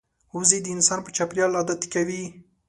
وزې د انسان په چاپېریال عادت کوي